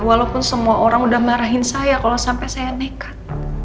walaupun semua orang udah marahin saya kalau sampai saya nekat